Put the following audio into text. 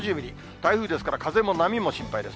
台風ですから、風も波も心配です。